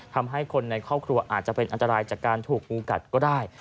ทำให้คนในครอบครัวอาจจะเป็นอันตรายจากการถูกงูกัดก็ได้